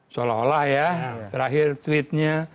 seolah olah ya terakhir tweetnya